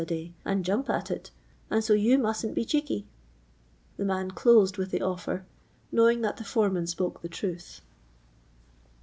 a day, and jumj) at it, and so you m%utn*t be cheeky. The man closed with the offer^ knowing that the fore man spoke the troth.